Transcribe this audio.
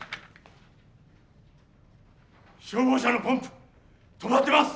消防車のポンプ止まってます！